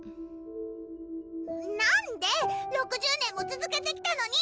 なんで⁉６０年もつづけてきたのに！